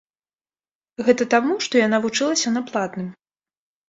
Гэта таму, што яна вучылася на платным.